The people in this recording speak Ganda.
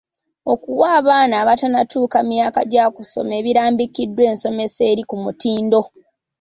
Okuwa abaana abatannatuuka myaka gya kusoma ebirambikiddwa ensomesa eri ku mutindo.